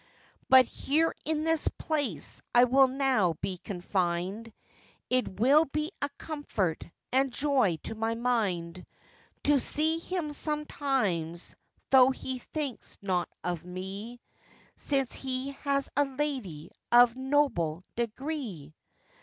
'But here, in this place, I will now be confined; It will be a comfort and joy to my mind, To see him sometimes, though he thinks not of me, Since he has a lady of noble degree.